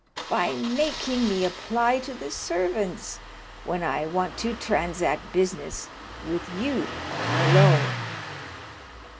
"By making me apply to the servants, when I want to transact business with you alone."